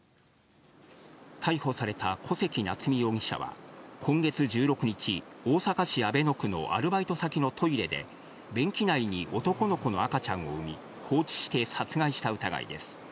逮捕された、小関菜津美容疑者は、今月１６日、大阪市阿倍野区のアルバイト先のトイレで、便器内に男の子の赤ちゃんを産み、放置して殺害した疑いです。